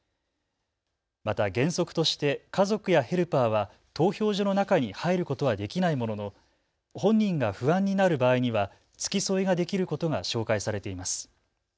また原則として家族やヘルパーは投票所の中に入ることはできないものの本人が不安になる場合には付き添いができることが紹介されています。